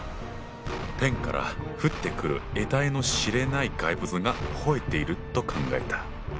天から降ってくるえたいの知れない怪物が吠えていると考えた。